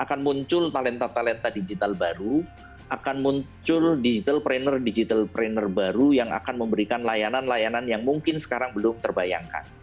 akan muncul talenta talenta digital baru akan muncul digital trainer digital trainer baru yang akan memberikan layanan layanan yang mungkin sekarang belum terbayangkan